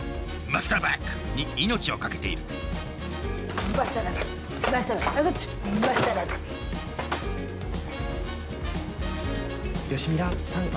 マスターバック！に命を懸けている吉ミラさん